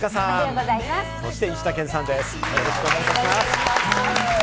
よろしくお願いします。